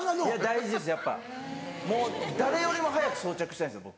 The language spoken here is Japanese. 大事ですやっぱもう誰よりも早く装着したいんですよ